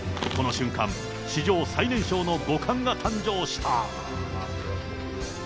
この瞬間、史上最年少の五冠が誕生した。